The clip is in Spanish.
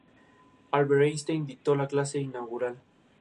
La ciudad de Coventry ha tenido a lo largo de su historia tres catedrales.